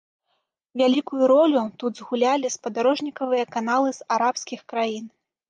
Вялікую ролю тут згулялі спадарожнікавыя каналы з арабскіх краін.